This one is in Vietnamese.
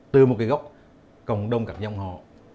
từ một góc cộng đồng các dòng họ